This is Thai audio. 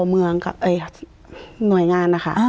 อ๋อเมืองเอ่ยไหนงานค่ะอ่า